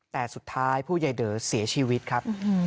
แต่สุดท้ายผู้ใหญ่เด๋อเสียชีวิตครับ